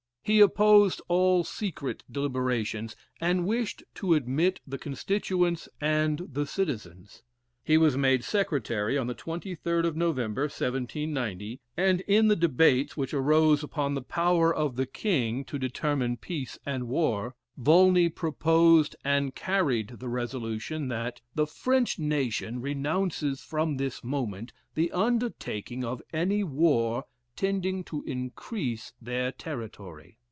He opposed all secret deliberations, and wished to admit the constituents and the citizens. He was made secretary on the 23rd of November, 1790, and in the debates, which arose upon the power of the king to determine peace and war, Volney proposed and carried the resolution that "The French nation renounces from this moment the undertaking any war tending to increase their territory."